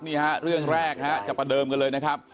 นี่ฮะเรื่องแรกจะประเดิมกันเลยนะครับ